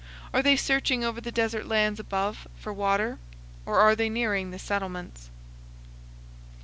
Are they searching over the desert lands above for water? Or are they nearing the settlements?